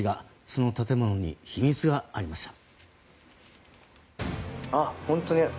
その建物に秘密がありました。